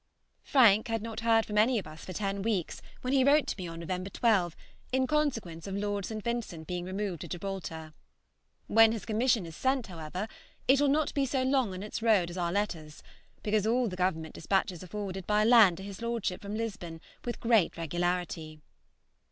Frank had not heard from any of us for ten weeks when he wrote to me on November 12 in consequence of Lord St. Vincent being removed to Gibraltar. When his commission is sent, however, it will not be so long on its road as our letters, because all the Government despatches are forwarded by land to his lordship from Lisbon with great regularity.